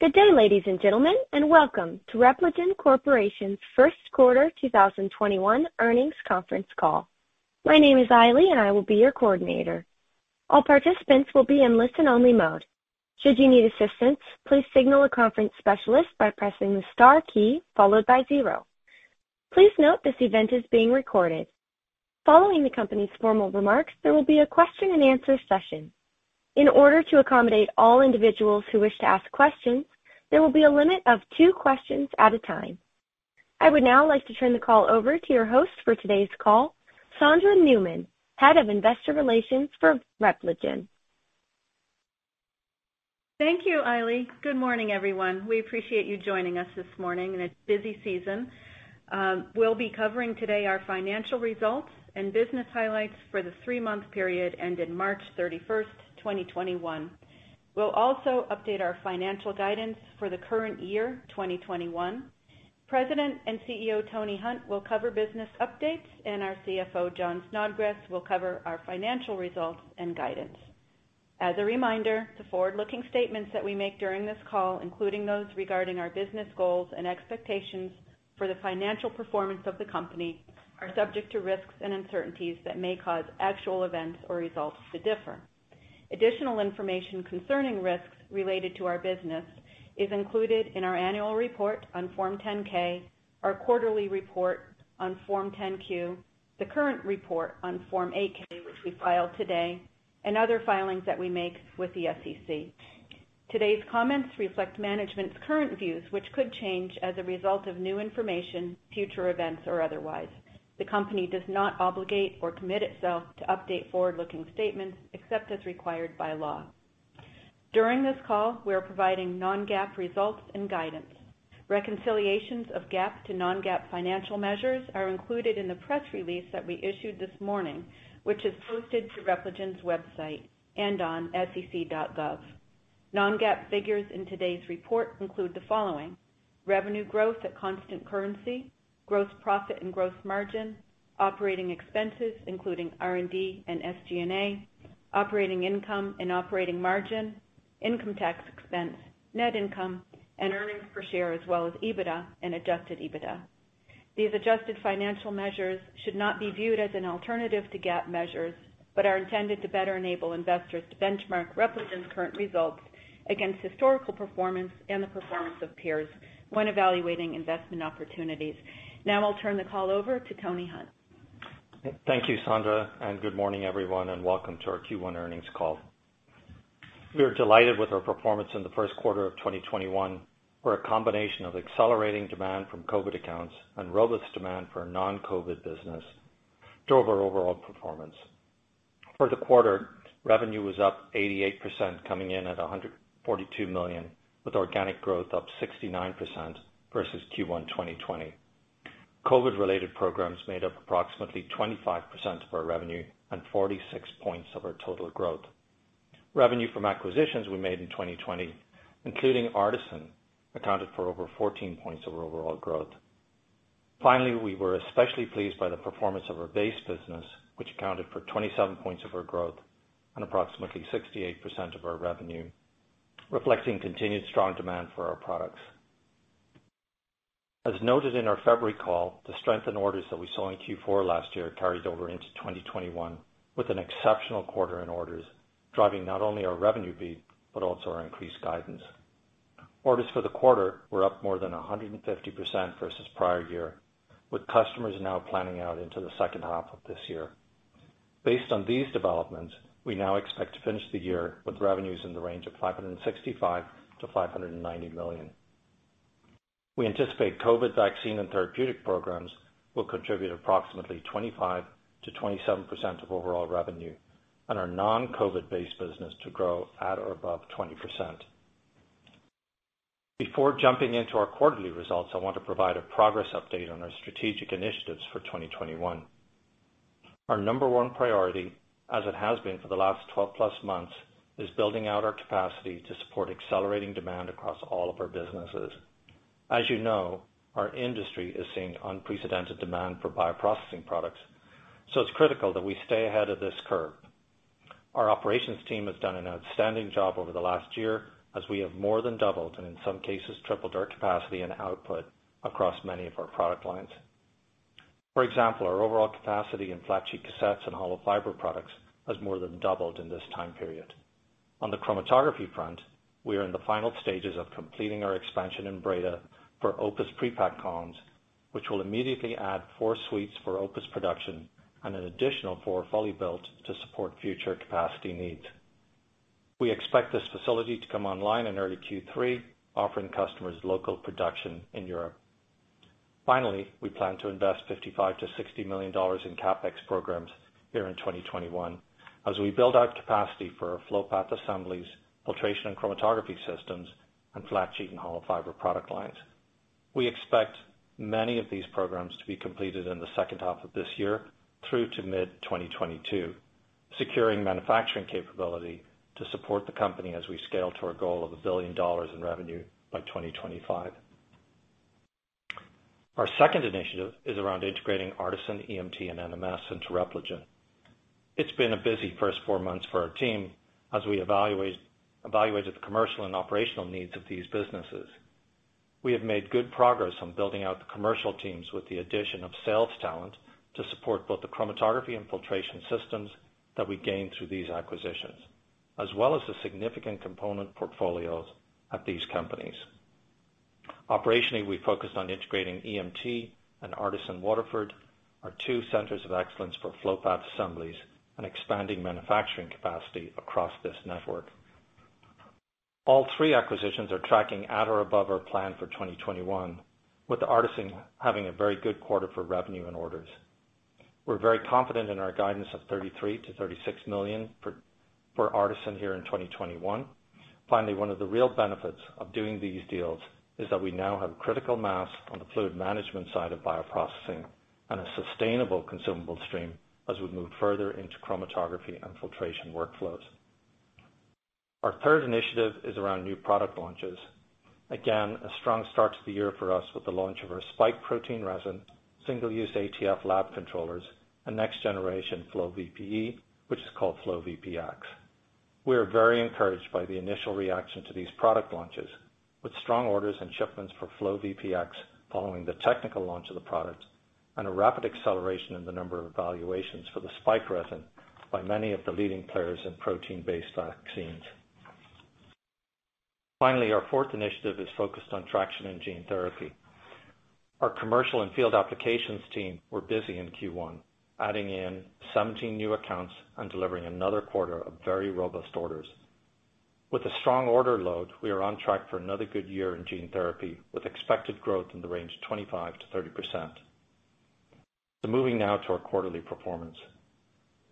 Good day, ladies and gentlemen, and welcome to Repligen Corporation's first quarter 2021 earnings conference call. My name is Aili, and I will be your coordinator. Following the company's formal remarks, there will be a question-and-answer session. In order to accommodate all individuals who wish to ask questions, there will be a limit of two questions at a time. I would now like to turn the call over to your host for today's call, Sondra Newman, Head of Investor Relations for Repligen. Thank you, Aili. Good morning, everyone. We appreciate you joining us this morning in a busy season. We'll be covering today our financial results and business highlights for the three-month period ended March 31, 2021. We'll also update our financial guidance for the current year 2021. President and CEO Tony Hunt will cover business updates, and our CFO, Jon Snodgres, will cover our financial results and guidance. As a reminder, the forward-looking statements that we make during this call, including those regarding our business goals and expectations for the financial performance of the company, are subject to risks and uncertainties that may cause actual events or results to differ. Additional information concerning risks related to our business is included in our annual report on Form 10-K, our quarterly report on Form 10-Q, the current report on Form 8-K, which we filed today, and other filings that we make with the SEC. Today's comments reflect management's current views, which could change as a result of new information, future events, or otherwise. The company does not obligate or commit itself to update forward-looking statements except as required by law. During this call, we are providing non-GAAP results and guidance. Reconciliations of GAAP to non-GAAP financial measures are included in the press release that we issued this morning, which is posted to Repligen's website and on sec.gov. Non-GAAP figures in today's report include the following: revenue growth at constant currency, gross profit and gross margin, operating expenses, including R&D and SG&A, operating income and operating margin, income tax expense, net income, and earnings per share, as well as EBITDA and Adjusted EBITDA. These adjusted financial measures should not be viewed as an alternative to GAAP measures, but are intended to better enable investors to benchmark Repligen's current results against historical performance and the performance of peers when evaluating investment opportunities. Now I'll turn the call over to Tony Hunt. Thank you, Sondra, and good morning, everyone, and welcome to our Q1 earnings call. We are delighted with our performance in the first quarter of 2021, where a combination of accelerating demand from COVID accounts and robust demand for our non-COVID business drove our overall performance. For the quarter, revenue was up 88%, coming in at $142 million, with organic growth up 69% versus Q1 2020. COVID-related programs made up approximately 25% of our revenue and 46 points of our total growth. Revenue from acquisitions we made in 2020, including ARTeSYN, accounted for over 14 points of overall growth. We were especially pleased by the performance of our base business, which accounted for 27 points of our growth and approximately 68% of our revenue, reflecting continued strong demand for our products. As noted in our February call, the strength in orders that we saw in Q4 last year carried over into 2021 with an exceptional quarter in orders, driving not only our revenue beat but also our increased guidance. Orders for the quarter were up more than 150% versus prior year, with customers now planning out into the second half of this year. Based on these developments, we now expect to finish the year with revenues in the range of $565 million-$590 million. We anticipate COVID vaccine and therapeutic programs will contribute approximately 25%-27% of overall revenue, and our non-COVID base business to grow at or above 20%. Before jumping into our quarterly results, I want to provide a progress update on our strategic initiatives for 2021. Our number one priority, as it has been for the last 12+ months, is building out our capacity to support accelerating demand across all of our businesses. As you know, our industry is seeing unprecedented demand for bioprocessing products, so it's critical that we stay ahead of this curve. Our operations team has done an outstanding job over the last year as we have more than doubled, and in some cases tripled our capacity and output across many of our product lines. For example, our overall capacity in flat sheet cassettes and hollow fiber products has more than doubled in this time period. On the chromatography front, we are in the final stages of completing our expansion in Breda for OPUS Pre-packed columns, which will immediately add four suites for OPUS production and an additional four fully built to support future capacity needs. We expect this facility to come online in early Q3, offering customers local production in Europe. We plan to invest $55 million-$60 million in CapEx programs here in 2021 as we build out capacity for our flow path assemblies, filtration and chromatography systems, and flat sheet and hollow fiber product lines. We expect many of these programs to be completed in the second half of this year through to mid-2022, securing manufacturing capability to support the company as we scale to our goal of $1 billion in revenue by 2025.Our second initiative is around integrating ARTeSYN, EMT, and NMS into Repligen. It's been a busy first four months for our team as we evaluated the commercial and operational needs of these businesses. We have made good progress on building out the commercial teams with the addition of sales talent to support both the chromatography and filtration systems that we gained through these acquisitions, as well as the significant component portfolios at these companies. Operationally, we focused on integrating EMT and ARTeSYN Waterford, our two centers of excellence for flow path assemblies, and expanding manufacturing capacity across this network. All three acquisitions are tracking at or above our plan for 2021, with ARTeSYN having a very good quarter for revenue and orders. We are very confident in our guidance of $33 million-$36 million for ARTeSYN here in 2021. One of the real benefits of doing these deals is that we now have critical mass on the fluid management side of bioprocessing and a sustainable consumable stream as we move further into chromatography and filtration workflows. Our third initiative is around new product launches. Again, a strong start to the year for us with the launch of our Spike Protein Resin, Single-Use ATF Lab Controllers, and next generation FlowVPE, which is called FlowVPX. We are very encouraged by the initial reaction to these product launches, with strong orders and shipments for FlowVPX following the technical launch of the product, and a rapid acceleration in the number of evaluations for the Spike Resin by many of the leading players in protein-based vaccines. Finally, our fourth initiative is focused on traction in gene therapy. Our commercial and field applications team were busy in Q1, adding in 17 new accounts and delivering another quarter of very robust orders. With a strong order load, we are on track for another good year in gene therapy, with expected growth in the range of 25%-30%. Moving now to our quarterly performance.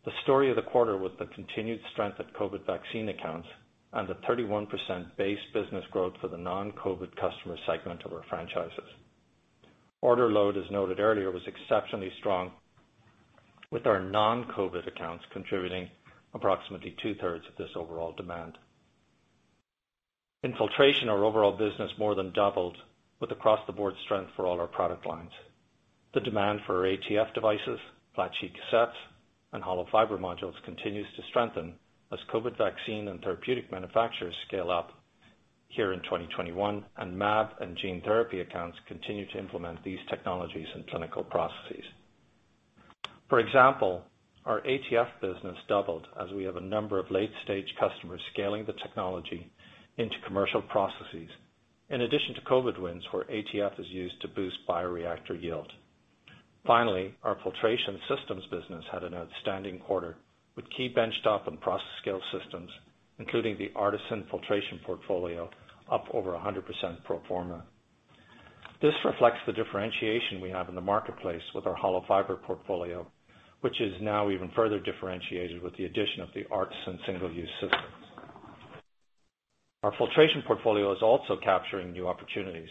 The story of the quarter was the continued strength of COVID vaccine accounts and a 31% base business growth for the non-COVID customer segment of our franchises. Order load, as noted earlier, was exceptionally strong, with our non-COVID accounts contributing approximately two-thirds of this overall demand. In filtration, our overall business more than doubled with across-the-board strength for all our product lines. The demand for ATF devices, flat sheet cassettes, and hollow fiber modules continues to strengthen as COVID vaccine and therapeutic manufacturers scale up here in 2021, and mAb and gene therapy accounts continue to implement these technologies in clinical processes. For example, our ATF business doubled as we have a number of late-stage customers scaling the technology into commercial processes, in addition to COVID wins, where ATF is used to boost bioreactor yield. Finally, our filtration systems business had an outstanding quarter, with key benchtop and process scale systems, including the ARTeSYN filtration portfolio, up over 100% pro forma. This reflects the differentiation we have in the marketplace with our hollow fiber portfolio, which is now even further differentiated with the addition of the ARTeSYN single-use systems. Our filtration portfolio is also capturing new opportunities.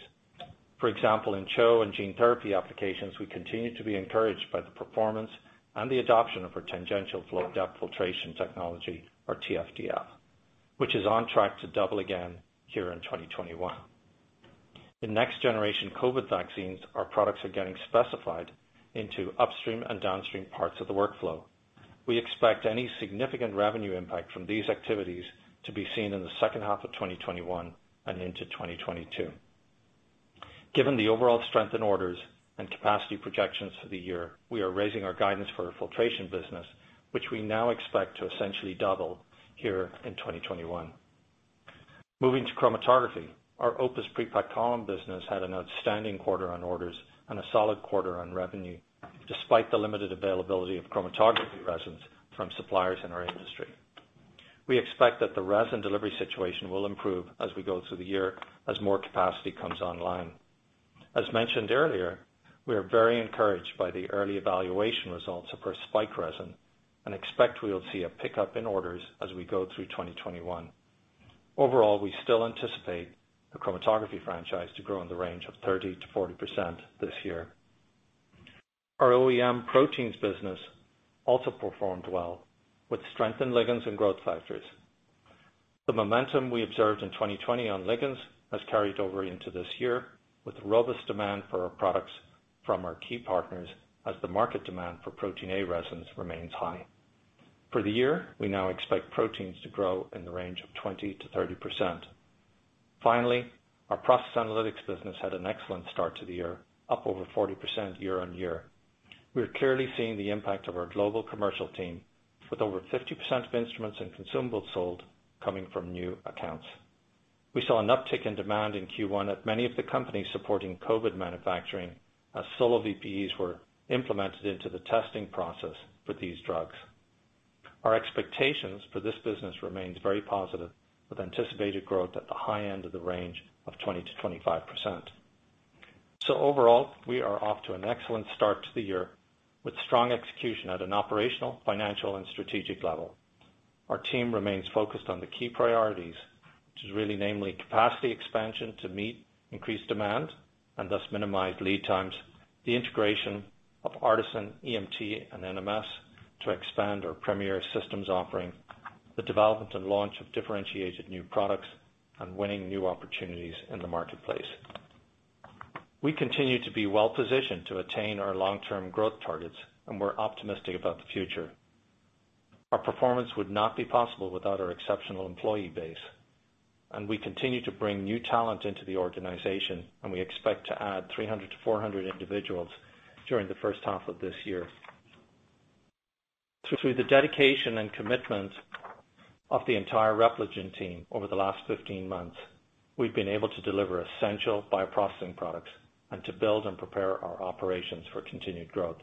For example, in CHO and gene therapy applications, we continue to be encouraged by the performance and the adoption of our tangential flow depth filtration technology, or TFDF, which is on track to double again here in 2021. In next-generation COVID vaccines, our products are getting specified into upstream and downstream parts of the workflow. We expect any significant revenue impact from these activities to be seen in the second half of 2021 and into 2022. Given the overall strength in orders and capacity projections for the year, we are raising our guidance for our filtration business, which we now expect to essentially double here in 2021. Moving to chromatography, our OPUS Pre-packed column business had an outstanding quarter on orders and a solid quarter on revenue, despite the limited availability of chromatography resins from suppliers in our industry. We expect that the resin delivery situation will improve as we go through the year as more capacity comes online. As mentioned earlier, we are very encouraged by the early evaluation results of our spike resin and expect we will see a pickup in orders as we go through 2021. Overall, we still anticipate the chromatography franchise to grow in the range of 30%-40% this year. Our OEM proteins business also performed well with strength in ligands and growth factors. The momentum we observed in 2020 on ligands has carried over into this year with robust demand for our products from our key partners as the market demand for Protein A resins remains high. For the year, we now expect proteins to grow in the range of 20%-30%. Finally, our process analytics business had an excellent start to the year, up over 40% year-on-year. We are clearly seeing the impact of our global commercial team with over 50% of instruments and consumables sold coming from new accounts. We saw an uptick in demand in Q1 at many of the companies supporting COVID manufacturing as SoloVPEs were implemented into the testing process for these drugs. Our expectations for this business remains very positive, with anticipated growth at the high end of the range of 20%-25%. Overall, we are off to an excellent start to the year with strong execution at an operational, financial, and strategic level. Our team remains focused on the key priorities, which is really namely capacity expansion to meet increased demand and thus minimize lead times, the integration of ARTeSYN, EMT, and NMS to expand our premier systems offering. The development and launch of differentiated new products and winning new opportunities in the marketplace. We continue to be well-positioned to attain our long-term growth targets, and we're optimistic about the future. Our performance would not be possible without our exceptional employee base, and we continue to bring new talent into the organization, and we expect to add 300-400 individuals during the first half of this year. Through the dedication and commitment of the entire Repligen team over the last 15 months, we've been able to deliver essential bioprocessing products and to build and prepare our operations for continued growth.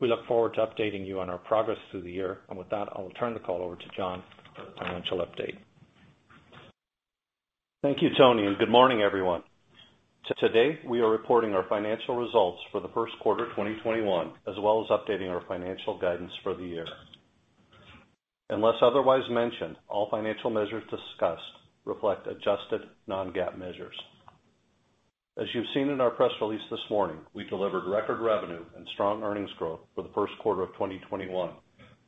We look forward to updating you on our progress through the year. With that, I will turn the call over to Jon for the financial update. Thank you, Tony. Good morning, everyone. Today, we are reporting our financial results for the first quarter of 2021, as well as updating our financial guidance for the year. Unless otherwise mentioned, all financial measures discussed reflect adjusted non-GAAP measures. As you've seen in our press release this morning, we delivered record revenue and strong earnings growth for the first quarter of 2021,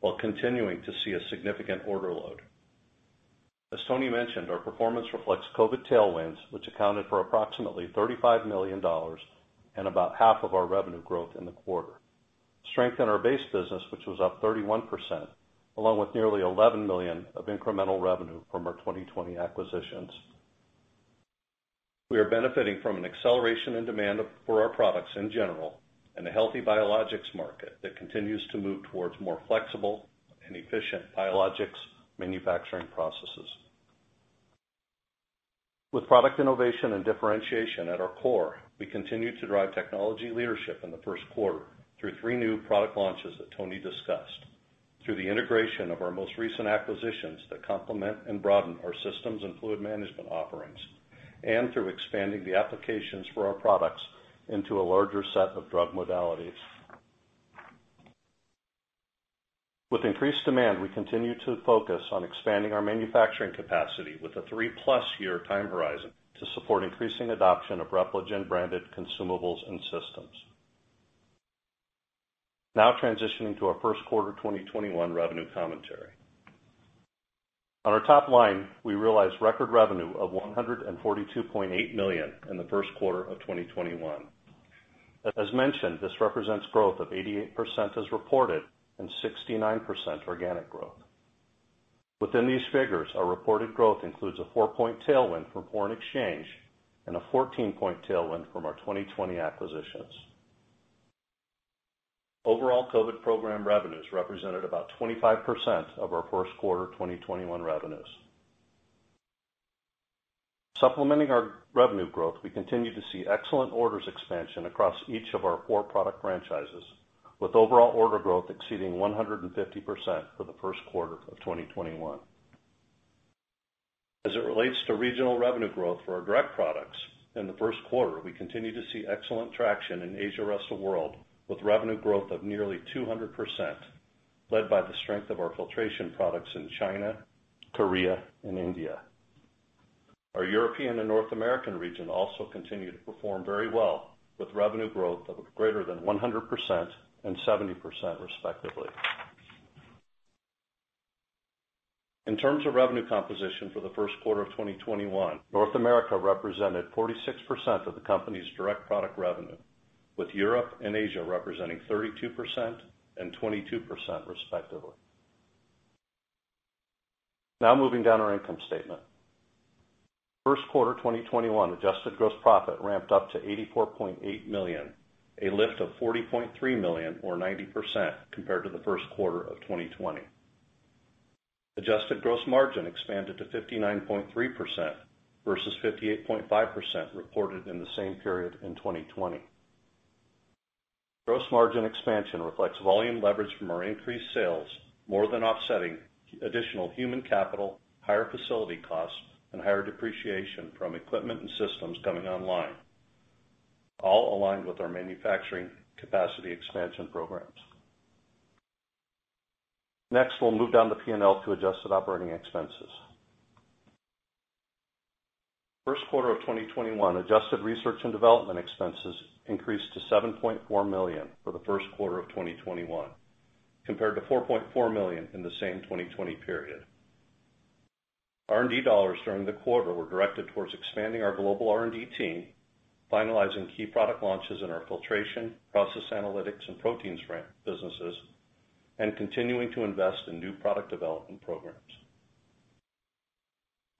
while continuing to see a significant order load. As Tony mentioned, our performance reflects COVID tailwinds, which accounted for approximately $35 million and about half of our revenue growth in the quarter. Strength in our base business, which was up 31%, along with nearly $11 million of incremental revenue from our 2020 acquisitions. We are benefiting from an acceleration in demand for our products in general and a healthy biologics market that continues to move towards more flexible and efficient biologics manufacturing processes. With product innovation and differentiation at our core, we continue to drive technology leadership in the first quarter through three new product launches that Tony discussed, through the integration of our most recent acquisitions that complement and broaden our systems and fluid management offerings, and through expanding the applications for our products into a larger set of drug modalities. With increased demand, we continue to focus on expanding our manufacturing capacity with a three-plus year time horizon to support increasing adoption of Repligen-branded consumables and systems. Now transitioning to our first quarter 2021 revenue commentary. On our top line, we realized record revenue of $142.8 million in the first quarter of 2021. As mentioned, this represents growth of 88% as reported and 69% organic growth. Within these figures, our reported growth includes a four-point tailwind from foreign exchange and a 14-point tailwind from our 2020 acquisitions. Overall COVID program revenues represented about 25% of our first quarter 2021 revenues. Supplementing our revenue growth, we continue to see excellent orders expansion across each of our four product franchises, with overall order growth exceeding 150% for the first quarter of 2021. As it relates to regional revenue growth for our direct products, in the first quarter, we continue to see excellent traction in Asia, rest of world, with revenue growth of nearly 200%, led by the strength of our filtration products in China, Korea, and India. Our European and North American region also continue to perform very well, with revenue growth of greater than 100% and 70%, respectively. In terms of revenue composition for the first quarter of 2021, North America represented 46% of the company's direct product revenue, with Europe and Asia representing 32% and 22%, respectively. Moving down our income statement. First quarter 2021 adjusted gross profit ramped up to $84.8 million, a lift of $40.3 million or 90% compared to the first quarter of 2020. Adjusted gross margin expanded to 59.3% versus 58.5% reported in the same period in 2020. Gross margin expansion reflects volume leverage from our increased sales, more than offsetting additional human capital, higher facility costs, and higher depreciation from equipment and systems coming online, all aligned with our manufacturing capacity expansion programs. We'll move down the P&L to adjusted operating expenses. First quarter of 2021 adjusted research and development expenses increased to $7.4 million for the first quarter of 2021, compared to $4.4 million in the same 2020 period. R&D dollars during the quarter were directed towards expanding our global R&D team, finalizing key product launches in our filtration, process analytics, and proteins businesses, and continuing to invest in new product development programs.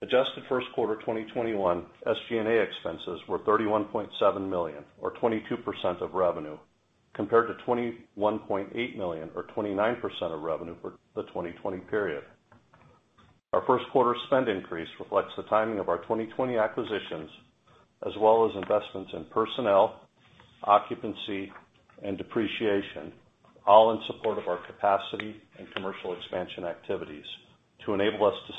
Adjusted first quarter 2021 SG&A expenses were $31.7 million or 22% of revenue, compared to $21.8 million or 29% of revenue for the 2020 period. Our first quarter spend increase reflects the timing of our 2020 acquisitions, as well as investments in personnel, occupancy, and depreciation, all in support of our capacity and commercial expansion activities to enable us to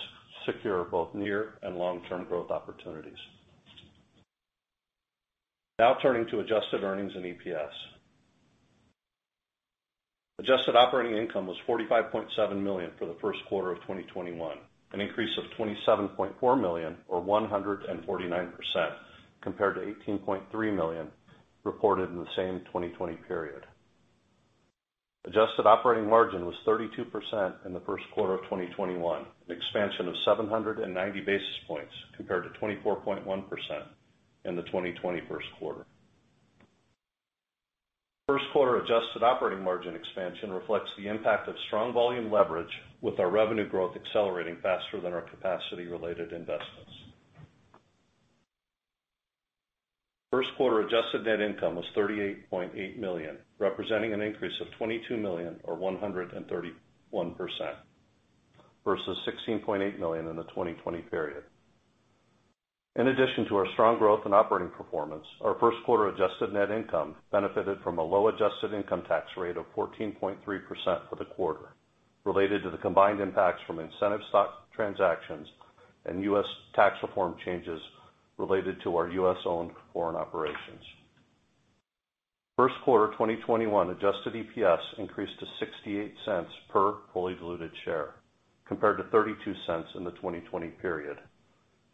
secure both near and long-term growth opportunities. Turning to adjusted earnings and EPS. Adjusted operating income was $45.7 million for the first quarter of 2021, an increase of $27.4 million or 149%, compared to $18.3 million reported in the same 2020 period. Adjusted operating margin was 32% in the first quarter of 2021, an expansion of 790 basis points compared to 24.1% in the 2020 first quarter. First quarter adjusted operating margin expansion reflects the impact of strong volume leverage with our revenue growth accelerating faster than our capacity-related investments. First quarter adjusted net income was $38.8 million, representing an increase of $22 million or 131%, versus $16.8 million in the 2020 period. In addition to our strong growth and operating performance, our first quarter adjusted net income benefited from a low adjusted income tax rate of 14.3% for the quarter, related to the combined impacts from incentive stock transactions and US tax reform changes related to our U.S.-owned foreign operations. First quarter 2021 Adjusted EPS increased to $0.68 per fully diluted share compared to $0.32 in the 2020 period,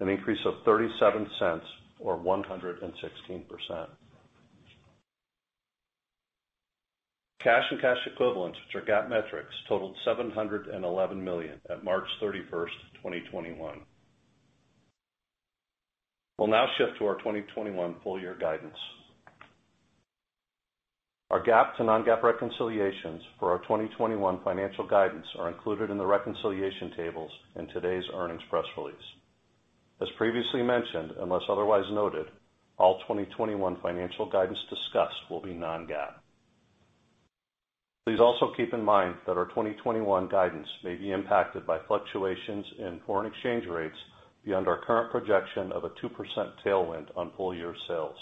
an increase of $0.37 or 116%. Cash and cash equivalents, which are GAAP metrics, totaled $711 million at March 31st, 2021. We'll now shift to our 2021 full year guidance. Our GAAP to non-GAAP reconciliations for our 2021 financial guidance are included in the reconciliation tables in today's earnings press release. As previously mentioned, unless otherwise noted, all 2021 financial guidance discussed will be non-GAAP. Please also keep in mind that our 2021 guidance may be impacted by fluctuations in foreign exchange rates beyond our current projection of a 2% tailwind on full year sales,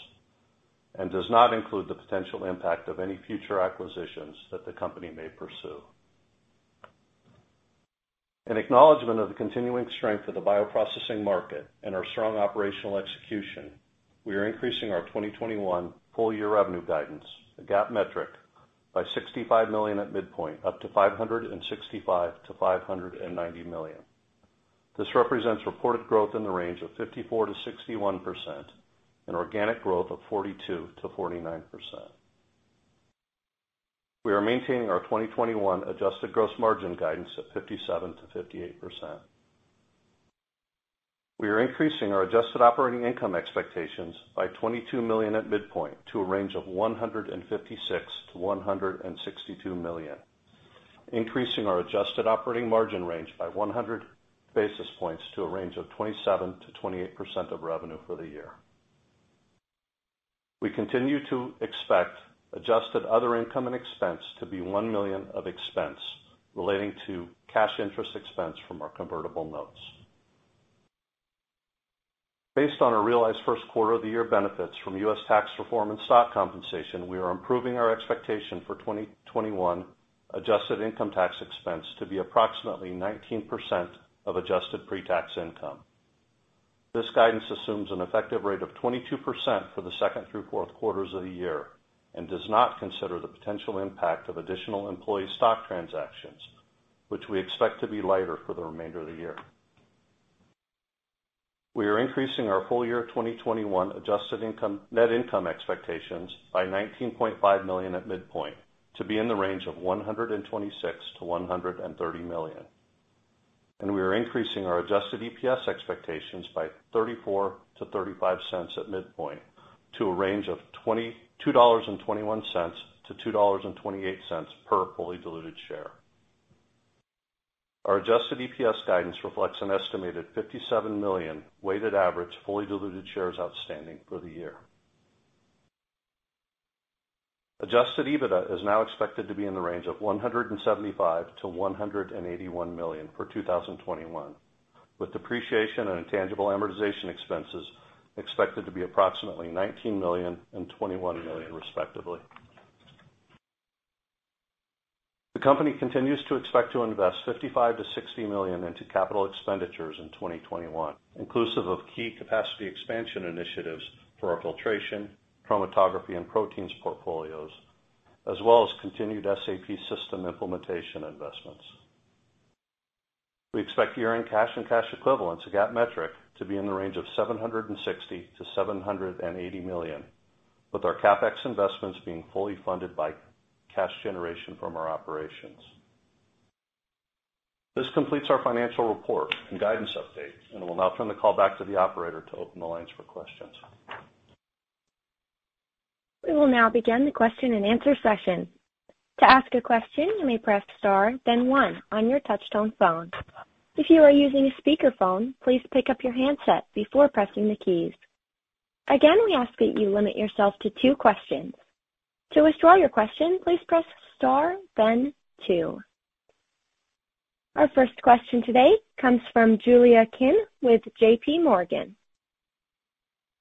and does not include the potential impact of any future acquisitions that the company may pursue. In acknowledgment of the continuing strength of the bioprocessing market and our strong operational execution, we are increasing our 2021 full year revenue guidance, a GAAP metric, by $65 million at midpoint, up to $565 million-$590 million. This represents reported growth in the range of 54%-61%, and organic growth of 42%-49%. We are maintaining our 2021 adjusted gross margin guidance at 57%-58%. We are increasing our adjusted operating income expectations by $22 million at midpoint to a range of $156 million-$162 million, increasing our adjusted operating margin range by 100 basis points to a range of 27%-28% of revenue for the year. We continue to expect adjusted other income and expense to be $1 million of expense relating to cash interest expense from our convertible notes. Based on our realized first quarter of the year benefits from US tax reform and stock compensation, we are improving our expectation for 2021 adjusted income tax expense to be approximately 19% of adjusted pre-tax income. This guidance assumes an effective rate of 22% for the second through fourth quarters of the year and does not consider the potential impact of additional employee stock transactions, which we expect to be lighter for the remainder of the year. We are increasing our full year 2021 adjusted net income expectations by $19.5 million at midpoint to be in the range of $126 million-$130 million, and we are increasing our adjusted EPS expectations by $0.34-$0.35 at midpoint to a range of $2.21-$2.28 per fully diluted share. Our Adjusted EPS guidance reflects an estimated 57 million weighted average fully diluted shares outstanding for the year. Adjusted EBITDA is now expected to be in the range of $175 million-$181 million for 2021, with depreciation and intangible amortization expenses expected to be approximately $19 million and $21 million respectively. The company continues to expect to invest $55 million-$60 million into capital expenditures in 2021, inclusive of key capacity expansion initiatives for our filtration, chromatography, and proteins portfolios, as well as continued SAP system implementation investments. We expect year-end cash and cash equivalents, a GAAP metric, to be in the range of $760 million-$780 million, with our CapEx investments being fully funded by cash generation from our operations. This completes our financial report and guidance update, and I will now turn the call back to the operator to open the lines for questions. We will now begin the question-and-answer session. To ask a question, you may press star then one on your touchtone phone. If you are using a speakerphone, please pick up your handset before pressing the keys. Again, we ask that you limit yourself to two questions. To withdraw your question, please press star then two. Our first question today comes from Julia Kim with JPMorgan.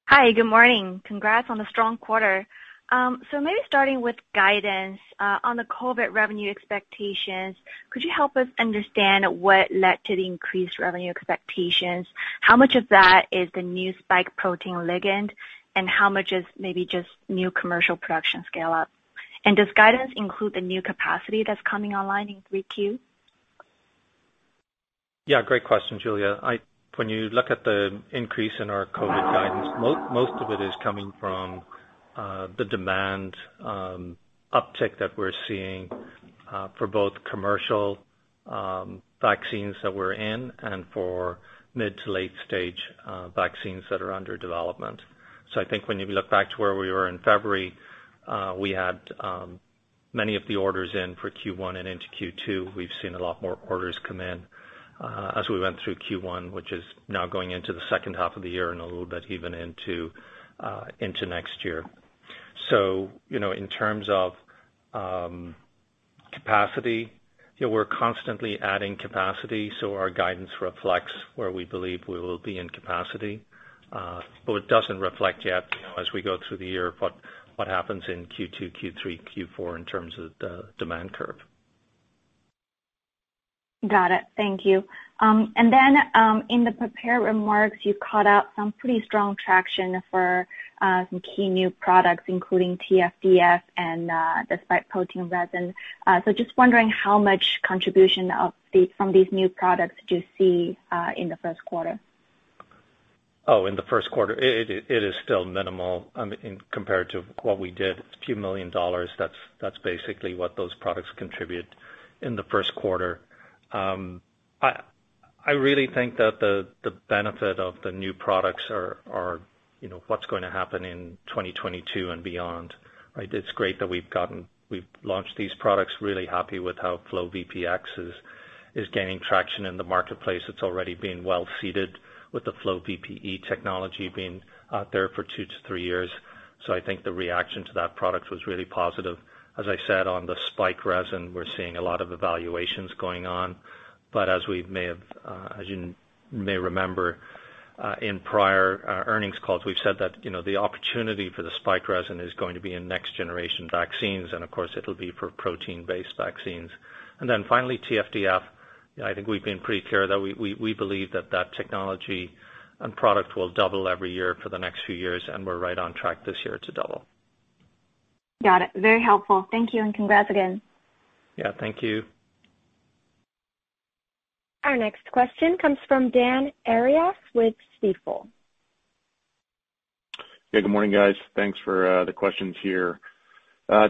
Hi, good morning. Congrats on the strong quarter. Maybe starting with guidance. On the COVID revenue expectations, could you help us understand what led to the increased revenue expectations? How much of that is the new spike protein ligand, and how much is maybe just new commercial production scale-up? Does guidance include the new capacity that's coming online in 3Q? Yeah, great question, Julia. When you look at the increase in our COVID guidance, most of it is coming from the demand uptick that we're seeing for both commercial vaccines that we're in and for mid to late stage vaccines that are under development. I think when you look back to where we were in February, we had many of the orders in for Q1 and into Q2. We've seen a lot more orders come in as we went through Q1, which is now going into the second half of the year and a little bit even into next year. In terms of capacity, we're constantly adding capacity, so our guidance reflects where we believe we will be in capacity. It doesn't reflect yet, as we go through the year, what happens in Q2, Q3, Q4 in terms of the demand curve. Got it. Thank you. In the prepared remarks, you called out some pretty strong traction for some key new products, including TFDF and the Spike Protein Resin. Just wondering how much contribution from these new products do you see in the first quarter? In the first quarter, it is still minimal compared to what we did. A few million dollars, that's basically what those products contribute in the first quarter. I really think that the benefit of the new products are what's going to happen in 2022 and beyond, right? It's great that we've launched these products. Really happy with how FlowVPX is gaining traction in the marketplace. It's already been well-seeded with the FlowVPE technology being out there for two to three years. I think the reaction to that product was really positive. As I said, on the spike resin, we're seeing a lot of evaluations going on. As you may remember in prior earnings calls, we've said that the opportunity for the spike resin is going to be in next generation vaccines, and of course, it'll be for protein-based vaccines. Finally, TFDF, I think we've been pretty clear that we believe that that technology and product will double every year for the next few years, and we're right on track this year to double. Got it. Very helpful. Thank you, and congrats again. Yeah. Thank you. Our next question comes from Dan Arias with Stifel. Yeah. Good morning, guys. Thanks for the questions here.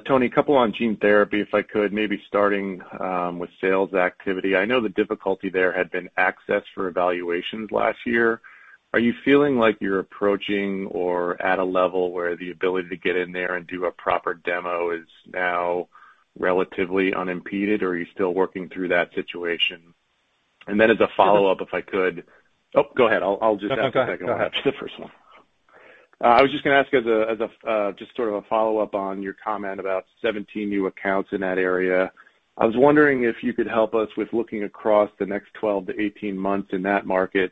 Tony, a couple on gene therapy, if I could, maybe starting with sales activity. I know the difficulty there had been access for evaluations last year. Are you feeling like you're approaching or at a level where the ability to get in there and do a proper demo is now relatively unimpeded, or are you still working through that situation? Oh, go ahead. I'll just ask the second one perhaps. No, go ahead. the first one. I was just going to ask as just sort of a follow-up on your comment about 17 new accounts in that area. I was wondering if you could help us with looking across the next 12-18 months in that market.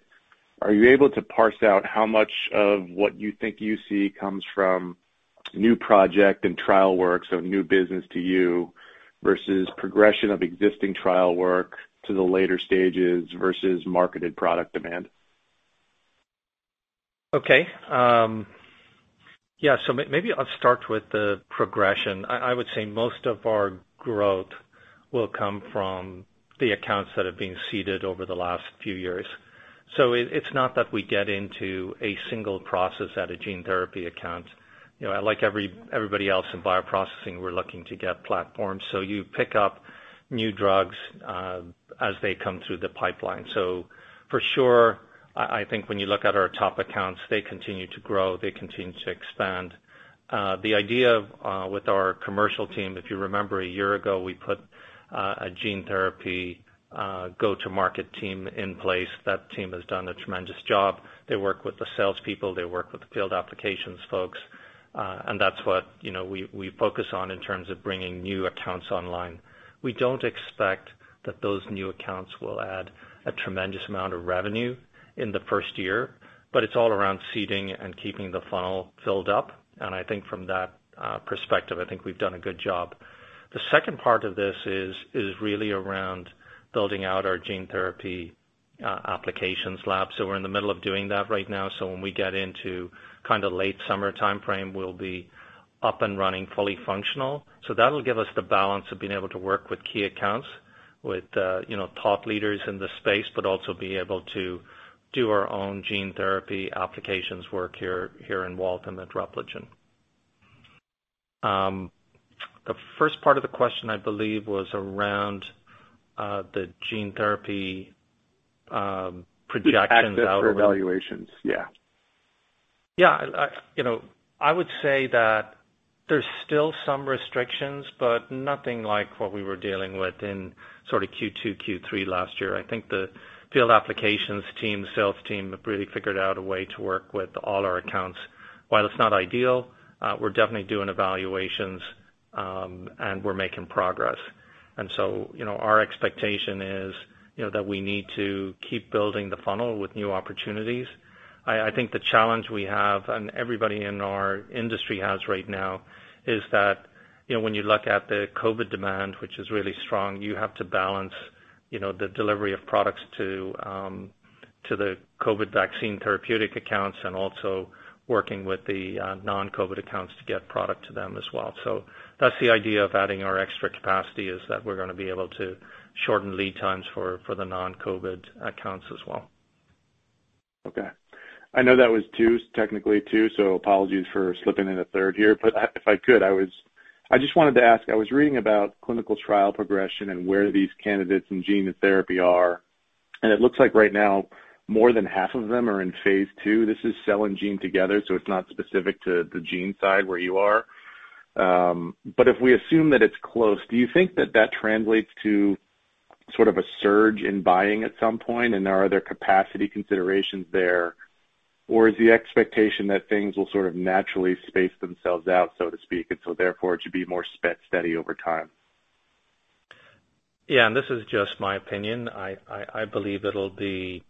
Are you able to parse out how much of what you think you see comes from new project and trial work, so new business to you, versus progression of existing trial work to the later stages versus marketed product demand? Okay. Yeah, maybe I'll start with the progression. I would say most of our growth will come from the accounts that have been seeded over the last few years. It's not that we get into a single process at a gene therapy account. Like everybody else in bioprocessing, we're looking to get platforms. You pick up new drugs as they come through the pipeline. For sure, I think when you look at our top accounts, they continue to grow, they continue to expand. The idea with our commercial team, if you remember a year ago, we put a gene therapy go-to-market team in place. That team has done a tremendous job. They work with the salespeople, they work with the field applications folks. That's what we focus on in terms of bringing new accounts online. We don't expect that those new accounts will add a tremendous amount of revenue in the first year. It's all around seeding and keeping the funnel filled up. I think from that perspective, I think we've done a good job. The second part of this is really around building out our gene therapy applications lab. We're in the middle of doing that right now. When we get into kind of late summer timeframe, we'll be up and running, fully functional. That'll give us the balance of being able to work with key accounts, with thought leaders in the space, but also be able to do our own gene therapy applications work here in Waltham at Repligen. The first part of the question, I believe, was around the gene therapy projections out. Access for evaluations. Yeah. Yeah. I would say that there's still some restrictions, but nothing like what we were dealing with in sort of Q2, Q3 last year. I think the field applications team, sales team have really figured out a way to work with all our accounts. While it's not ideal, we're definitely doing evaluations, and we're making progress. Our expectation is that we need to keep building the funnel with new opportunities. I think the challenge we have, and everybody in our industry has right now, is that when you look at the COVID demand, which is really strong, you have to balance the delivery of products to the COVID vaccine therapeutic accounts and also working with the non-COVID accounts to get product to them as well. That's the idea of adding our extra capacity, is that we're going to be able to shorten lead times for the non-COVID accounts as well. Okay. I know that was technically two, so apologies for slipping in a third here, but if I could, I just wanted to ask, I was reading about clinical trial progression and where these candidates in gene therapy are, and it looks like right now more than half of them are in phase II. This is cell and gene together, so it's not specific to the gene side where you are. If we assume that it's close, do you think that that translates to sort of a surge in buying at some point and are there capacity considerations there? Is the expectation that things will sort of naturally space themselves out, so to speak, and so therefore it should be more steady over time? Yeah, this is just my opinion. I believe it'll be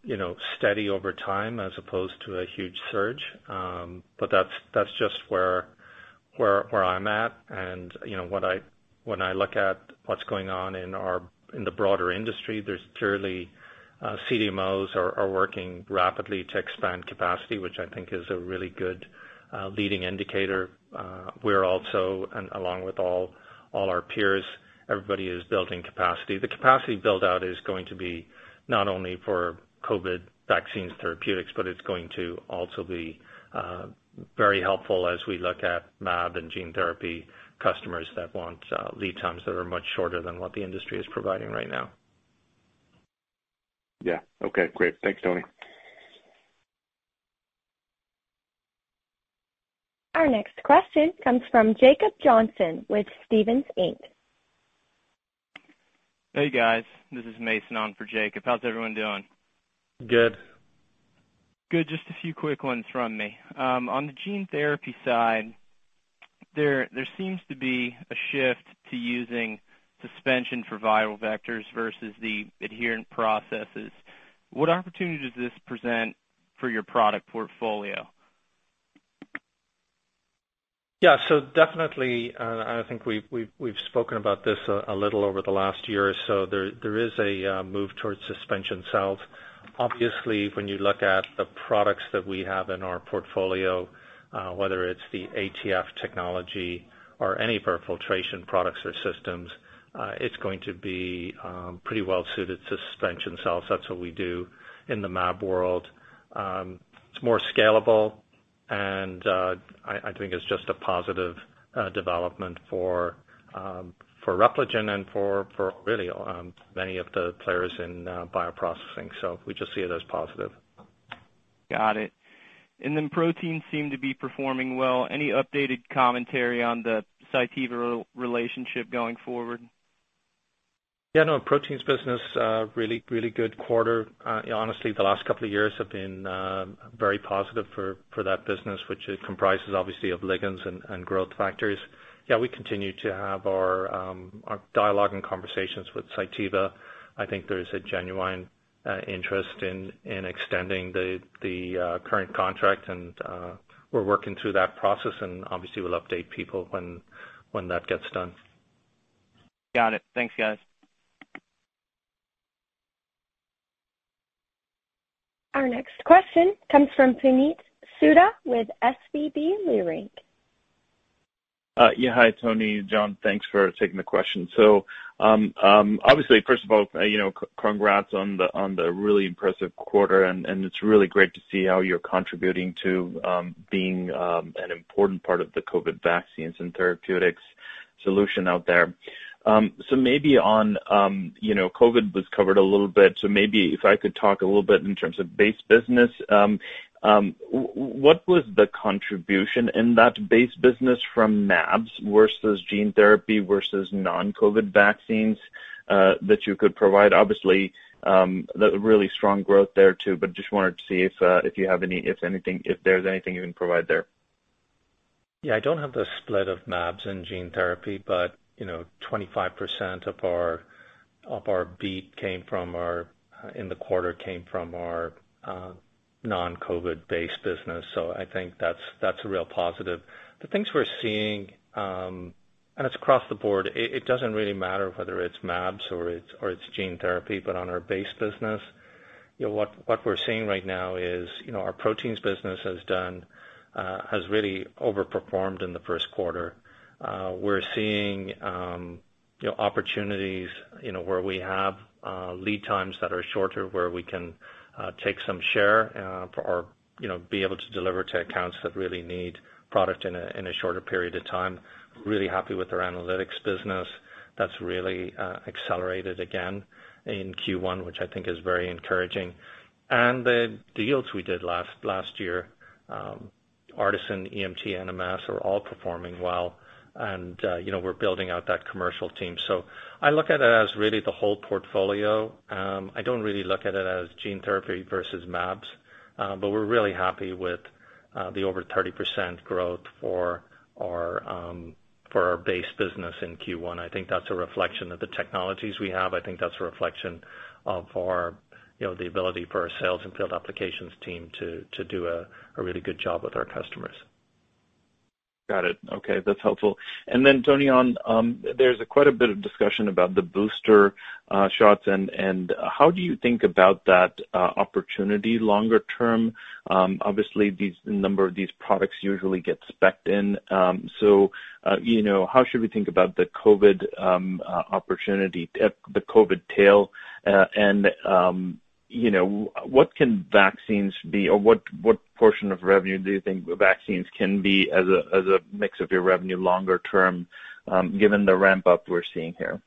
steady over time as opposed to a huge surge. That's just where I'm at and when I look at what's going on in the broader industry, there's clearly CDMOs are working rapidly to expand capacity, which I think is a really good leading indicator. We're also, along with all our peers, everybody is building capacity. The capacity build-out is going to be not only for COVID vaccines therapeutics, but it's going to also be very helpful as we look at mAb and gene therapy customers that want lead times that are much shorter than what the industry is providing right now. Yeah. Okay, great. Thanks, Tony. Our next question comes from Jacob Johnson with Stephens Inc. Hey, guys. This is Mason on for Jacob. How's everyone doing? Good. Good. Just a few quick ones from me. On the gene therapy side, there seems to be a shift to using suspension for viral vectors versus the adherent processes. What opportunity does this present for your product portfolio? Definitely, and I think we've spoken about this a little over the last year or so, there is a move towards suspension cells. Obviously, when you look at the products that we have in our portfolio, whether it's the ATF technology or any of our filtration products or systems, it's going to be pretty well-suited to suspension cells. That's what we do in the mAb world. It's more scalable and I think it's just a positive development for Repligen and for really many of the players in bioprocessing. We just see it as positive. Got it. Proteins seem to be performing well. Any updated commentary on the Cytiva relationship going forward? Yeah, no. Proteins business, really good quarter. Honestly, the last couple of years have been very positive for that business, which it comprises, obviously, of ligands and growth factors. Yeah, we continue to have our dialogue and conversations with Cytiva. I think there is a genuine interest in extending the current contract and we're working through that process and obviously we'll update people when that gets done. Got it. Thanks, guys. Our next question comes from Puneet Souda with SVB Leerink. Hi, Tony, Jon. Thanks for taking the question. Obviously, first of all, congrats on the really impressive quarter and it's really great to see how you're contributing to being an important part of the COVID vaccines and therapeutics solution out there. COVID was covered a little bit, maybe if I could talk a little bit in terms of base business. What was the contribution in that base business from mAbs versus gene therapy versus non-COVID vaccines that you could provide? Obviously, really strong growth there too, just wanted to see if there's anything you can provide there. Yeah, I don't have the split of mAbs and gene therapy, but 25% of our beat in the quarter came from our non-COVID base business. I think that's a real positive. The things we're seeing, and it's across the board, it doesn't really matter whether it's mAbs or it's gene therapy, but on our base business, what we're seeing right now is our proteins business has really overperformed in the first quarter. We're seeing opportunities where we have lead times that are shorter, where we can take some share or be able to deliver to accounts that really need product in a shorter period of time. Really happy with our analytics business. That's really accelerated again in Q1, which I think is very encouraging. The deals we did last year, ARTeSYN, EMT, NMS, are all performing well and we're building out that commercial team. I look at it as really the whole portfolio. I don't really look at it as gene therapy versus mAbs. We're really happy with the over 30% growth for our base business in Q1. I think that's a reflection of the technologies we have. I think that's a reflection of the ability for our sales and field applications team to do a really good job with our customers. Got it. Okay, that's helpful. Tony, there's quite a bit of discussion about the booster shots and how do you think about that opportunity longer term? Obviously, these number of these products usually get spec'd in. How should we think about the COVID opportunity, the COVID tail? What can vaccines be, or what portion of revenue do you think vaccines can be as a mix of your revenue longer term, given the ramp up we're seeing here?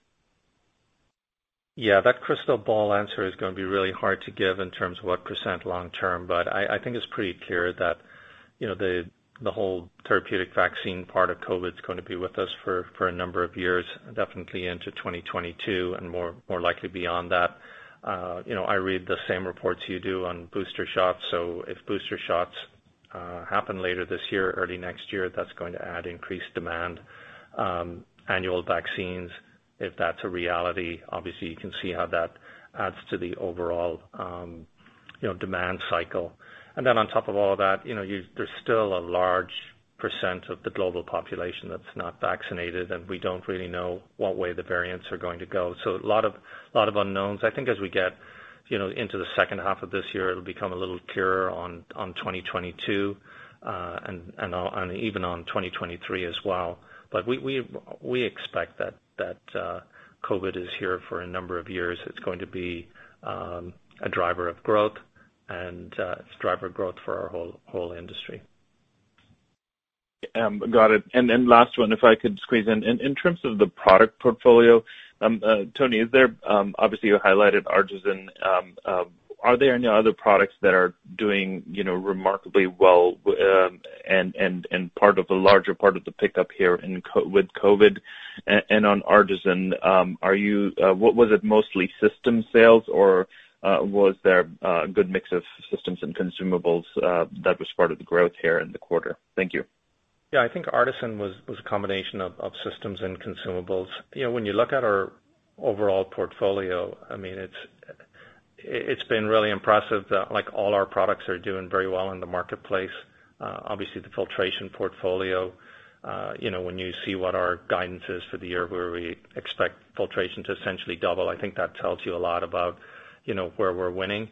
Yeah, that crystal ball answer is going to be really hard to give in terms of what percent long term. I think it's pretty clear that the whole therapeutic vaccine part of COVID is going to be with us for a number of years, definitely into 2022, and more likely beyond that. I read the same reports you do on booster shots. If booster shots happen later this year or early next year, that's going to add increased demand. Annual vaccines, if that's a reality, obviously, you can see how that adds to the overall demand cycle. On top of all of that, there's still a large percent of the global population that's not vaccinated, and we don't really know what way the variants are going to go. A lot of unknowns. I think as we get into the second half of this year, it'll become a little clearer on 2022, and even on 2023 as well. We expect that COVID is here for a number of years. It's going to be a driver of growth and it's a driver of growth for our whole industry. Got it. Last one, if I could squeeze in. In terms of the product portfolio, Tony, obviously you highlighted ARTeSYN. Are there any other products that are doing remarkably well and part of the larger part of the pickup here with COVID? On ARTeSYN, was it mostly system sales, or was there a good mix of systems and consumables that was part of the growth here in the quarter? Thank you. Yeah, I think ARTeSYN was a combination of systems and consumables. When you look at our overall portfolio, it's been really impressive that all our products are doing very well in the marketplace. Obviously, the filtration portfolio, when you see what our guidance is for the year, where we expect filtration to essentially double, I think that tells you a lot about where we're winning.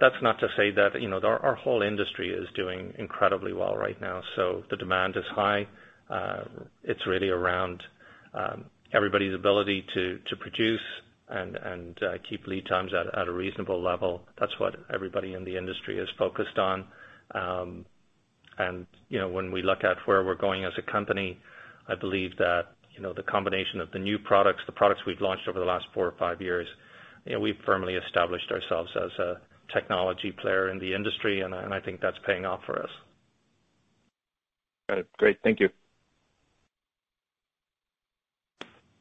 That's not to say that our whole industry is doing incredibly well right now. The demand is high. It's really around everybody's ability to produce and keep lead times at a reasonable level. That's what everybody in the industry is focused on. When we look at where we're going as a company, I believe that the combination of the new products, the products we've launched over the last four or five years, we've firmly established ourselves as a technology player in the industry, and I think that's paying off for us. Got it. Great. Thank you.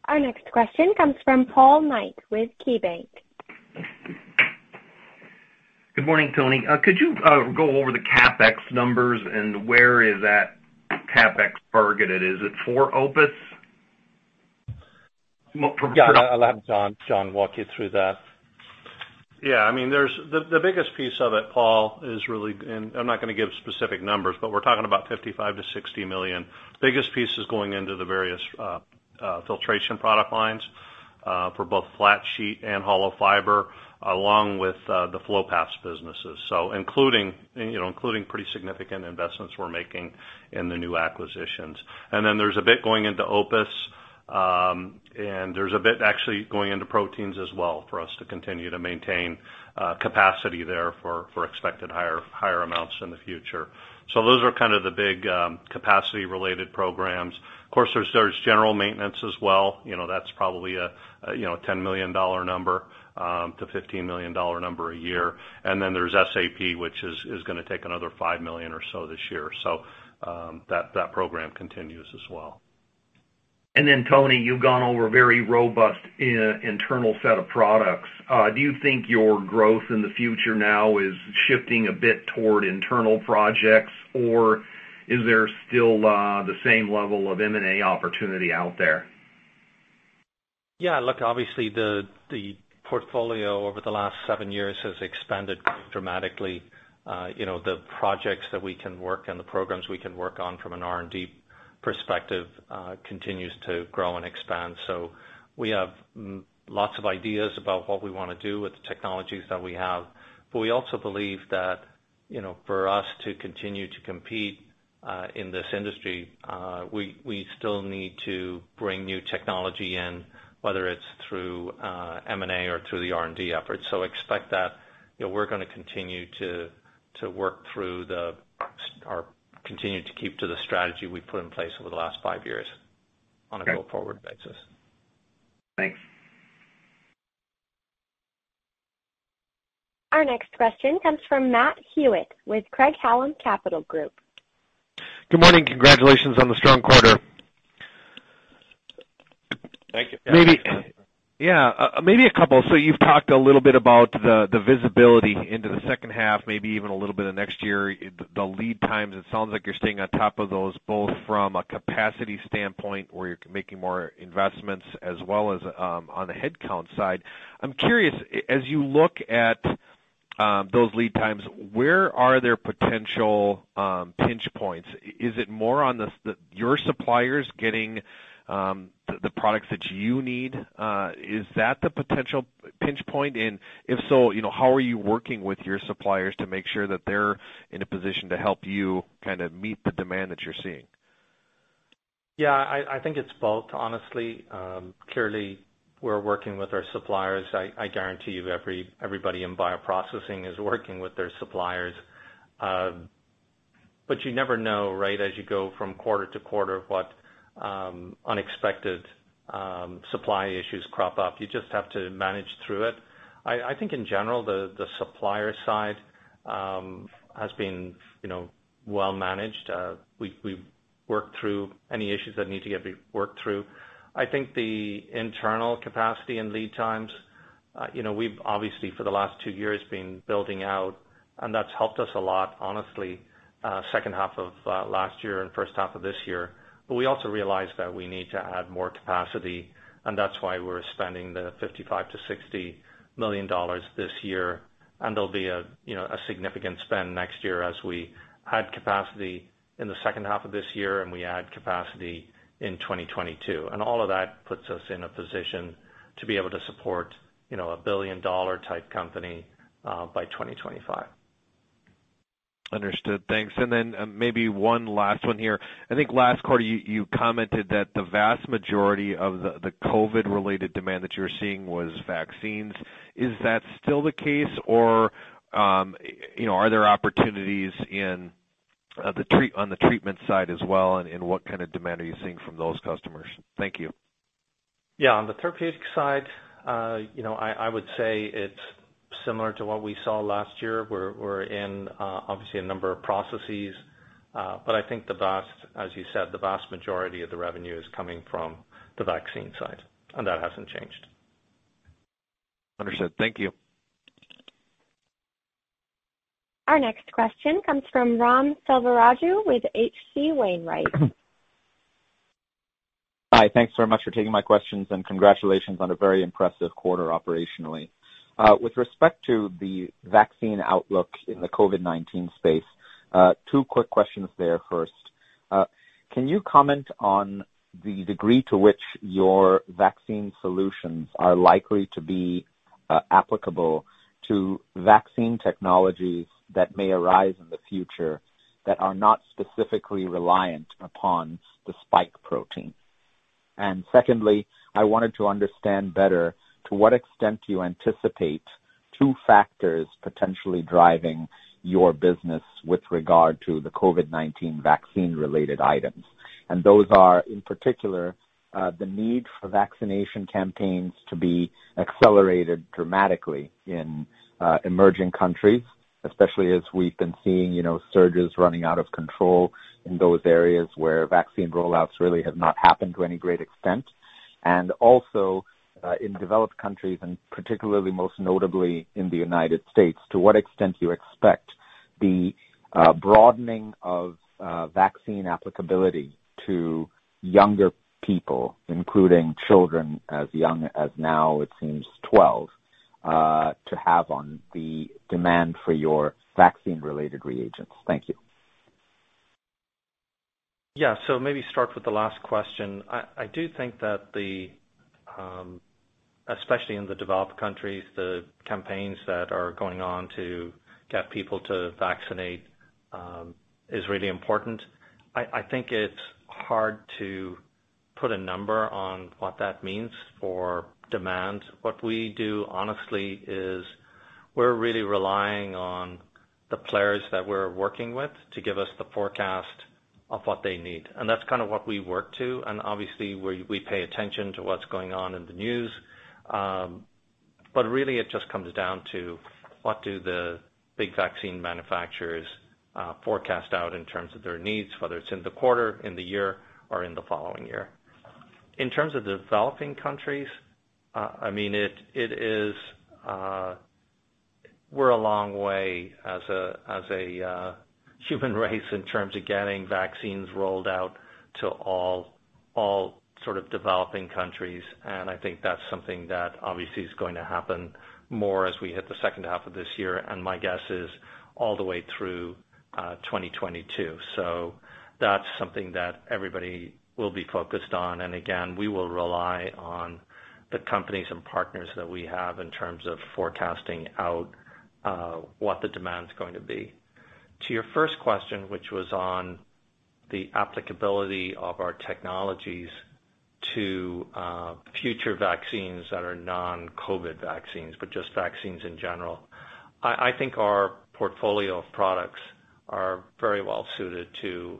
Our next question comes from Paul Knight with KeyBank. Good morning, Tony. Could you go over the CapEx numbers and where is that CapEx targeted? Is it for OPUS? Yeah, I'll have Jon walk you through that. Yeah. The biggest piece of it, Paul, is really, and I'm not going to give specific numbers, but we're talking about $55 million-$60 million. Biggest piece is going into the various filtration product lines for both flat sheet and hollow fiber, along with the FlowPath businesses. Including pretty significant investments we're making in the new acquisitions. There's a bit going into OPUS, and there's a bit actually going into proteins as well for us to continue to maintain capacity there for expected higher amounts in the future. Those are kind of the big capacity-related programs. Of course, there's general maintenance as well. That's probably a $10 million number to $15 million number a year. There's SAP, which is going to take another $5 million or so this year. That program continues as well. Tony, you've gone over a very robust internal set of products. Do you think your growth in the future now is shifting a bit toward internal projects, or is there still the same level of M&A opportunity out there? Yeah, look, obviously the portfolio over the last seven years has expanded dramatically. The projects that we can work and the programs we can work on from an R&D perspective continues to grow and expand. We have lots of ideas about what we want to do with the technologies that we have. We also believe that for us to continue to compete in this industry, we still need to bring new technology in, whether it's through M&A or through the R&D efforts. Expect that we're going to continue to keep to the strategy we've put in place over the last five years on a go-forward basis. Thanks. Our next question comes from Matthew Hewitt with Craig-Hallum Capital Group. Good morning. Congratulations on the strong quarter. Thank you. Yeah. Yeah. Maybe a couple. You've talked a little bit about the visibility into the second half, maybe even a little bit of next year, the lead times. It sounds like you're staying on top of those, both from a capacity standpoint, where you're making more investments, as well as on the headcount side. I'm curious, as you look at those lead times, where are there potential pinch points? Is it more on your suppliers getting the products that you need? Is that the potential pinch point? If so, how are you working with your suppliers to make sure that they're in a position to help you meet the demand that you're seeing? Yeah, I think it's both, honestly. Clearly, we're working with our suppliers. I guarantee you, everybody in bioprocessing is working with their suppliers. You never know as you go from quarter-to-quarter, what unexpected supply issues crop up. You just have to manage through it. I think in general, the supplier side has been well managed. We've worked through any issues that need to get worked through. I think the internal capacity and lead times, we've obviously for the last two years been building out, and that's helped us a lot, honestly, second half of last year and first half of this year. We also realized that we need to add more capacity, and that's why we're spending the $55 million-$60 million this year. There'll be a significant spend next year as we add capacity in the second half of this year, and we add capacity in 2022. All of that puts us in a position to be able to support a billion-dollar type company, by 2025. Understood. Thanks. Maybe one last one here. I think last quarter you commented that the vast majority of the COVID-related demand that you were seeing was vaccines. Is that still the case, or are there opportunities on the treatment side as well, and what kind of demand are you seeing from those customers? Thank you. Yeah, on the therapeutic side, I would say it's similar to what we saw last year. We're in, obviously a number of processes. I think, as you said, the vast majority of the revenue is coming from the vaccine side, and that hasn't changed. Understood. Thank you. Our next question comes from Ram Selvaraju with H.C. Wainwright. Hi. Thanks very much for taking my questions and congratulations on a very impressive quarter operationally. With respect to the vaccine outlook in the COVID-19 space, two quick questions there first. Can you comment on the degree to which your vaccine solutions are likely to be applicable to vaccine technologies that may arise in the future that are not specifically reliant upon the spike protein? Secondly, I wanted to understand better to what extent you anticipate two factors potentially driving your business with regard to the COVID-19 vaccine related items. Those are, in particular, the need for vaccination campaigns to be accelerated dramatically in emerging countries, especially as we've been seeing surges running out of control in those areas where vaccine rollouts really have not happened to any great extent. Also, in developed countries and particularly, most notably in the U.S., to what extent do you expect the broadening of vaccine applicability to younger people, including children as young as now, it seems 12, to have on the demand for your vaccine-related reagents? Thank you. Yeah. Maybe start with the last question. I do think that, especially in the developed countries, the campaigns that are going on to get people to vaccinate is really important. I think it's hard to put a number on what that means for demand. What we do, honestly, is we're really relying on the players that we're working with to give us the forecast of what they need. That's kind of what we work to, and obviously we pay attention to what's going on in the news. Really it just comes down to what do the big vaccine manufacturers forecast out in terms of their needs, whether it's in the quarter, in the year, or in the following year. In terms of developing countries, we're a long way as a human race in terms of getting vaccines rolled out to all sort of developing countries, and I think that's something that obviously is going to happen more as we hit the second half of this year, and my guess is all the way through 2022. That's something that everybody will be focused on, and again, we will rely on the companies and partners that we have in terms of forecasting out what the demand's going to be. To your first question, which was on the applicability of our technologies to future vaccines that are non-COVID vaccines, but just vaccines in general. I think our portfolio of products are very well suited to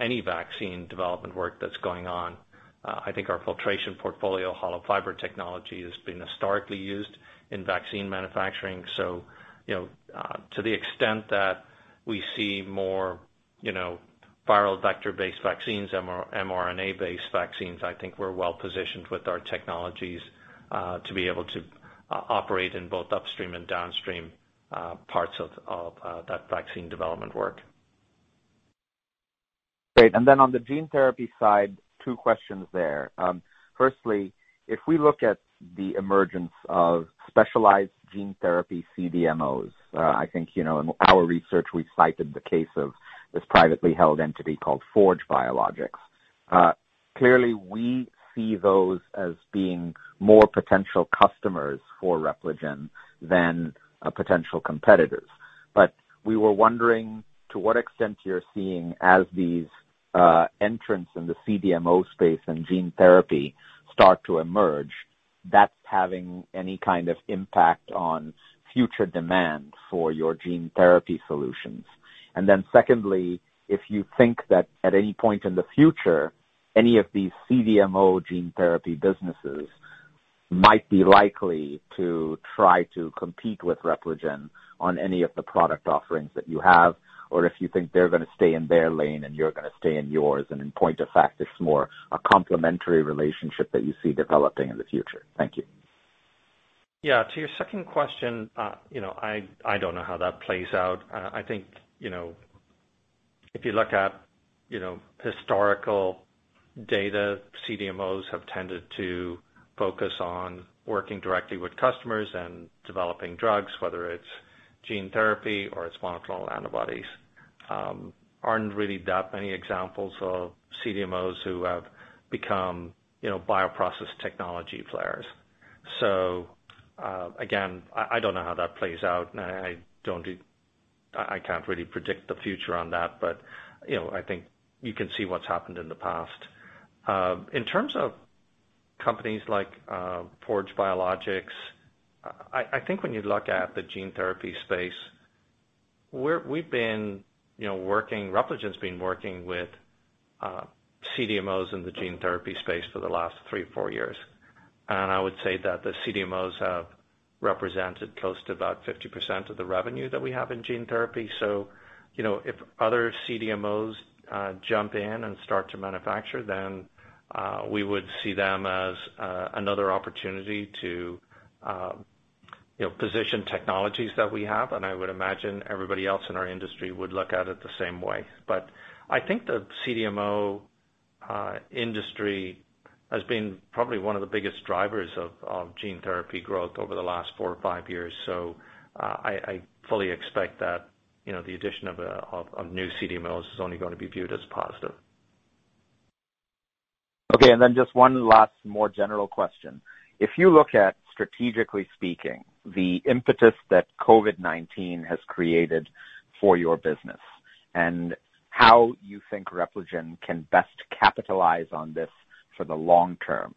any vaccine development work that's going on. I think our filtration portfolio, hollow fiber technology, has been historically used in vaccine manufacturing. To the extent that we see more viral vector based vaccines, mRNA based vaccines, I think we're well positioned with our technologies to be able to operate in both upstream and downstream parts of that vaccine development work. Great. On the gene therapy side, two questions there. Firstly, if we look at the emergence of specialized gene therapy CDMOs, I think, in our research, we cited the case of this privately held entity called Forge Biologics. Clearly, we see those as being more potential customers for Repligen than potential competitors. We were wondering to what extent you're seeing as these entrants in the CDMO space and gene therapy start to emerge, that's having any kind of impact on future demand for your gene therapy solutions. Secondly, if you think that at any point in the future, any of these CDMO gene therapy businesses might be likely to try to compete with Repligen on any of the product offerings that you have, or if you think they're going to stay in their lane and you're going to stay in yours, and in point of fact, it's more a complementary relationship that you see developing in the future. Thank you. Yeah. To your second question, I don't know how that plays out. I think, if you look at historical data, CDMOs have tended to focus on working directly with customers and developing drugs, whether it's gene therapy or it's monoclonal antibodies. Aren't really that many examples of CDMOs who have become bioprocess technology players. Again, I don't know how that plays out, and I can't really predict the future on that. I think you can see what's happened in the past. In terms of companies like Forge Biologics, I think when you look at the gene therapy space, Repligen's been working with CDMOs in the gene therapy space for the last three, four years, and I would say that the CDMOs have represented close to about 50% of the revenue that we have in gene therapy. If other CDMOs jump in and start to manufacture, then we would see them as another opportunity to position technologies that we have, and I would imagine everybody else in our industry would look at it the same way. I think the CDMO industry has been probably one of the biggest drivers of gene therapy growth over the last four or five years. I fully expect that the addition of new CDMOs is only going to be viewed as positive. Okay. Just one last more general question. If you look at, strategically speaking, the impetus that COVID-19 has created for your business and how you think Repligen can best capitalize on this for the long term,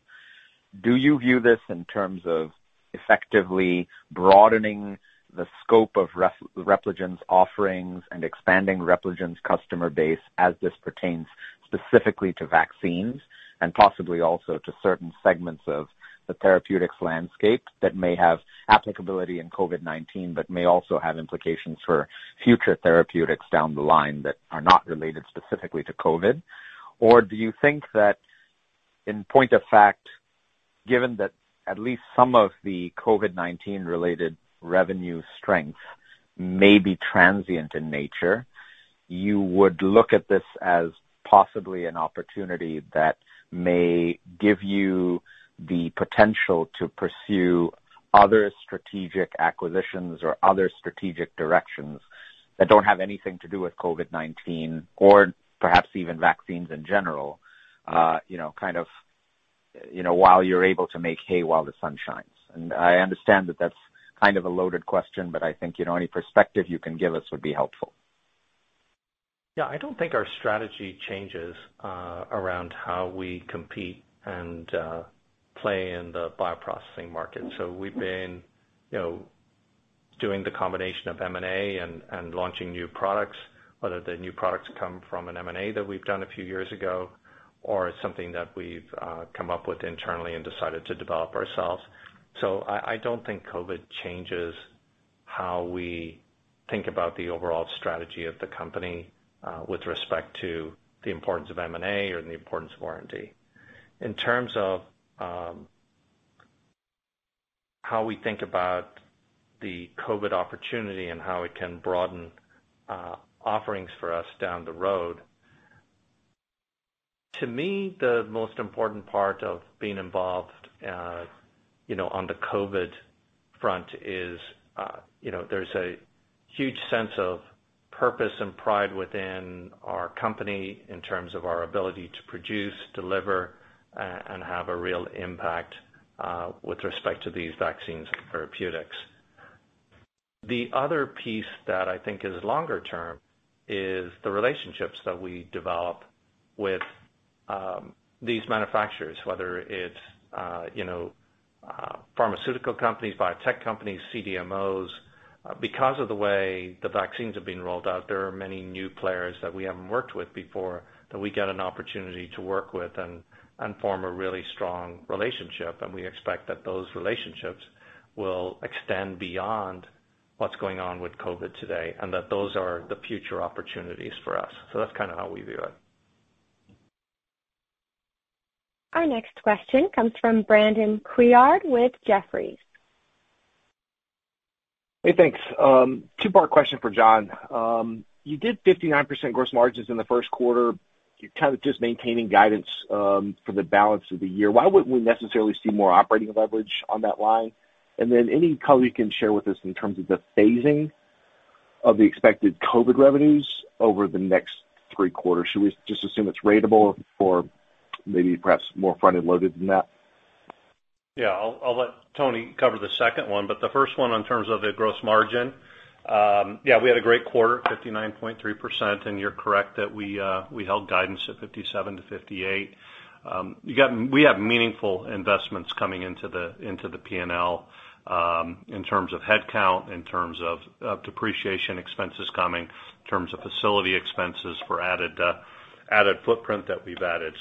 do you view this in terms of effectively broadening the scope of Repligen's offerings and expanding Repligen's customer base as this pertains specifically to vaccines and possibly also to certain segments of the therapeutics landscape that may have applicability in COVID-19, but may also have implications for future therapeutics down the line that are not related specifically to COVID? Do you think that in point of fact, given that at least some of the COVID-19 related revenue strength may be transient in nature, you would look at this as possibly an opportunity that may give you the potential to pursue other strategic acquisitions or other strategic directions that don't have anything to do with COVID-19 or perhaps even vaccines in general, kind of while you're able to make hay while the sun shines? I understand that's kind of a loaded question, but I think any perspective you can give us would be helpful. Yeah. I don't think our strategy changes around how we compete and play in the bioprocessing market. We've been doing the combination of M&A and launching new products, whether the new products come from an M&A that we've done a few years ago or it's something that we've come up with internally and decided to develop ourselves. I don't think COVID changes how we think about the overall strategy of the company, with respect to the importance of M&A or the importance of R&D. In terms of how we think about the COVID opportunity and how it can broaden offerings for us down the road, to me, the most important part of being involved on the COVID front is there's a huge sense of purpose and pride within our company in terms of our ability to produce, deliver, and have a real impact with respect to these vaccines and therapeutics. The other piece that I think is longer term is the relationships that we develop with these manufacturers, whether it's pharmaceutical companies, biotech companies, CDMOs. Because of the way the vaccines have been rolled out, there are many new players that we haven't worked with before that we get an opportunity to work with and form a really strong relationship. We expect that those relationships will extend beyond what's going on with COVID today, and that those are the future opportunities for us. That's kind of how we view it. Our next question comes from Brandon Couillard with Jefferies. Hey, thanks. Two-part question for Jon. You did 59% gross margins in the first quarter. You're kind of just maintaining guidance for the balance of the year. Why wouldn't we necessarily see more operating leverage on that line? Then any color you can share with us in terms of the phasing of the expected COVID revenues over the next three quarters. Should we just assume it's ratable or maybe perhaps more front-end loaded than that? Yeah. I'll let Tony cover the second one, but the first one in terms of the gross margin. Yeah, we had a great quarter, 59.3%, and you're correct that we held guidance at 57%-58%. We have meaningful investments coming into the P&L, in terms of headcount, in terms of depreciation expenses coming, in terms of facility expenses for added footprint that we've added.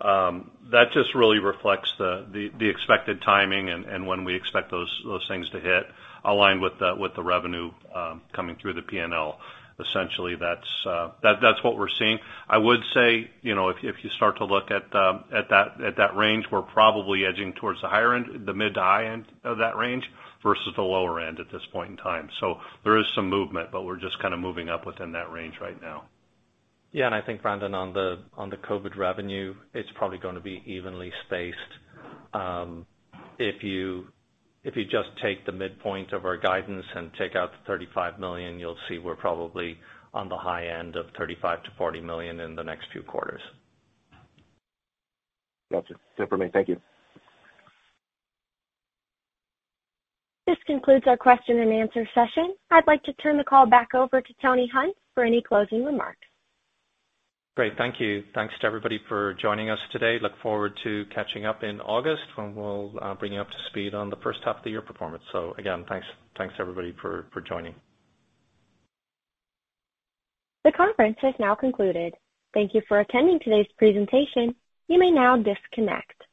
That just really reflects the expected timing and when we expect those things to hit, aligned with the revenue coming through the P&L. Essentially, that's what we're seeing. I would say, if you start to look at that range, we're probably edging towards the mid-to high end of that range versus the lower end at this point in time. There is some movement, but we're just kind of moving up within that range right now. Yeah, I think, Brandon, on the COVID revenue, it's probably going to be evenly spaced. If you just take the midpoint of our guidance and take out the $35 million, you'll see we're probably on the high end of $35 million-$40 million in the next few quarters. Gotcha. That's it for me. Thank you. This concludes our question-and-answer session. I'd like to turn the call back over to Tony Hunt for any closing remarks. Great. Thank you. Thanks to everybody for joining us today. Look forward to catching up in August when we'll bring you up to speed on the first half of the year performance. Again, thanks everybody for joining. The conference has now concluded. Thank you for attending today's presentation. You may now disconnect.